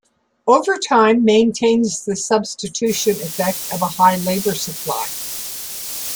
Overtime maintains the substitution effect at a high labour supply.